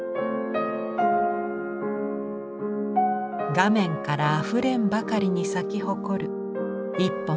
画面からあふれんばかりに咲き誇る一本の桜。